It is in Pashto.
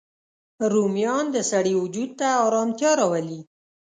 رومیان د سړی وجود ته ارامتیا راولي